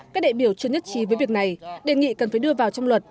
các đại biểu chưa nhất trí với việc này đề nghị cần phải đưa vào trong luật